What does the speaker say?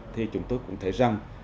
thì chúng tôi cũng thấy rằng